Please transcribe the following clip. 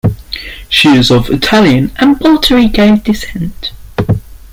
She is of Italian and Puerto Rican descent.